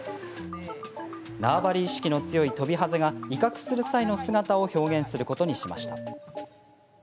縄張り意識の強いトビハゼが威嚇する際の姿を表現することにしました。